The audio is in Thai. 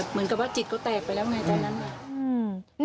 เหมือนกับว่าจิตก็แตกไปแล้วไงตอนนั้น